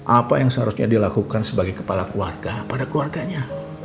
apa yang seharusnya dilakukan sebagai kepala keluarga pada keluarganya